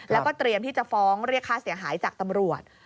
แล้วก็เตรียมที่จะฟ้องเรียกค่าเสียหายจากตำรวจ